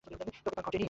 তবে, তা ঘটেনি।